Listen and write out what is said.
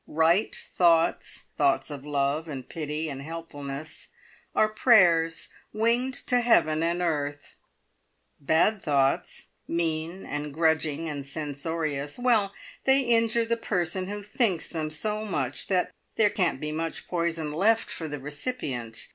Right thoughts thoughts of love and pity and helpfulness are prayers winged to heaven and earth; bad thoughts mean and grudging and censorious well, they injure the person who thinks them so much, that there can't be much poison left for the recipient.